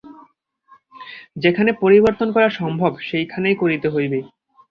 যেখানে পরিবর্তন করা সম্ভব সেইখানেই করিতে হইবে।